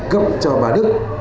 cấp cho bà đức